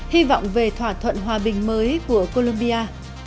hy vọng về thỏa thuận hòa bình mới của colombia